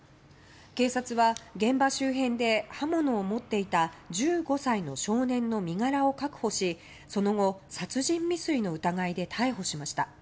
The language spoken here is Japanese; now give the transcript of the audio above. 警察は現場周辺で刃物を持っていた１５歳の少年の身柄を確保しその後、殺人未遂の疑いで逮捕しました。